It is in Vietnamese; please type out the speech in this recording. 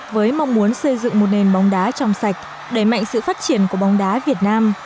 với mong muốn xây dựng một nền bóng đá trong sạch đẩy mạnh sự phát triển của bóng đá việt nam